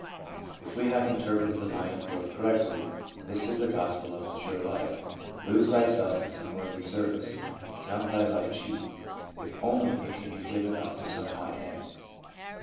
If we have interpreted the line of growth correctly, this is the gospel of mature life : Lose thyself in some worthy service. Count thy life cheap, if only it can be given up to some high end.